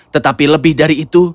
tetapi lebih dari itu